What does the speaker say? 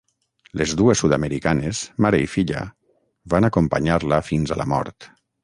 Les dues sud-americanes, mare i filla, van acompanyar-la fins a la mort.